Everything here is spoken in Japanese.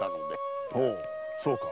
そうか。